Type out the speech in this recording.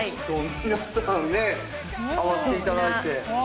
皆さんね、合わせていただいて。